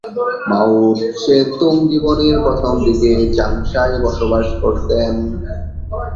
মাও ৎসে-তুং জীবনের প্রথম দিকে চাংশায় বসবাস করতেন।